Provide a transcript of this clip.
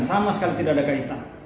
sama sekali tidak ada kaitan